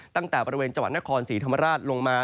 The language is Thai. ตั้งแต่บริเวณจังหวัดนครศรีธรรมราชลงมา